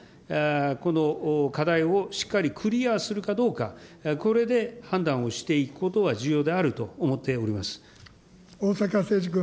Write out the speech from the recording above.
この課題をしっかりクリアするかどうか、これで判断をしていくことは重要であると思っております。